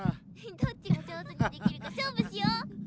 どっちが上手にできるか勝負しよ！